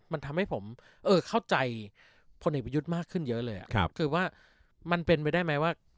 มันทำให้ผมเข้าใจพลเอกประยุทธ์มากขึ้นเยอะเลยคือว่ามันเป็นไปได้ไหมว่า